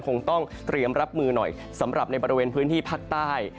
คงต้องเตรียมรับมือหน่อยสำหรับในบริเวณพื้นที่ภาคใต้